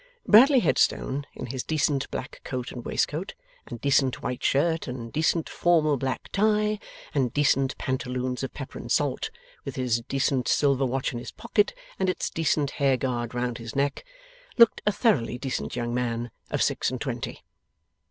Bradley Headstone, in his decent black coat and waistcoat, and decent white shirt, and decent formal black tie, and decent pantaloons of pepper and salt, with his decent silver watch in his pocket and its decent hair guard round his neck, looked a thoroughly decent young man of six and twenty.